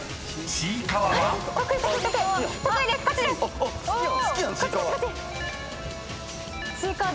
ちいかわ